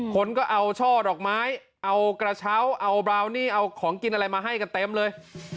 คนก็เอาช่อดอกไม้เอากระเช้าเอาบราวนี่เอาของกินอะไรมาให้กันเต็มเลย